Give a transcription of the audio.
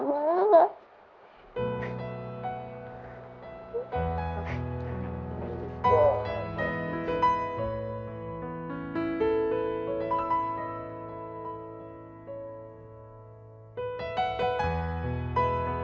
ขอบคุณครับ